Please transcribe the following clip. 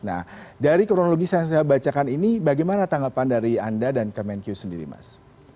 nah dari kronologi yang saya bacakan ini bagaimana tanggapan dari anda dan kemenkyu sendiri mas